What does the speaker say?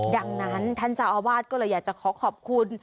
ดังนั้นท่านเจ้าอาวาสก็เลยอยากจะขอขอบคุณ